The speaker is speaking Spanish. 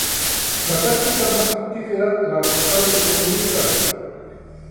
La táctica más fructífera la adoptaron los comunistas.